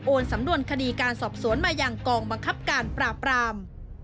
สำนวนคดีการสอบสวนมายังกองบังคับการปราบราม